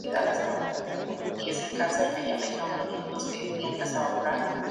El lema de esta comunidad utópica era precisamente: "Haz tu voluntad".